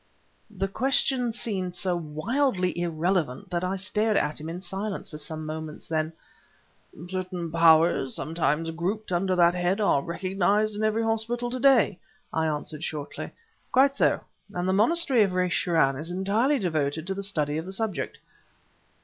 The question seemed so wildly irrelevant that I stared at him in silence for some moments. Then "Certain powers sometimes grouped under that head are recognized in every hospital to day," I answered shortly. "Quite so. And the monastery of Rache Churân is entirely devoted to the study of the subject."